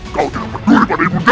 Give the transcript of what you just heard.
kau tidak peduli